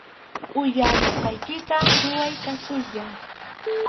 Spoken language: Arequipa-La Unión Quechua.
Uyarisqaykita ruray, kasukuyyá